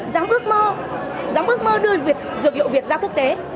dám ước mơ dám ước mơ đưa việt dược liệu việt ra quốc tế